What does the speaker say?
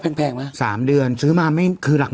พี่ปั๊ดเดี๋ยวมาที่ร้องให้